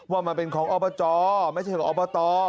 ว่ามันเป็นของอบจไม่ใช่ของอบต